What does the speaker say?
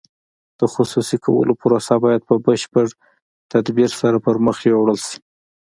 د خصوصي کولو پروسه باید په بشپړ تدبیر سره پرمخ یوړل شي.